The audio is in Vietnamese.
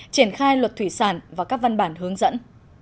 triển khai luật thủy sản và các văn bản hướng dẫn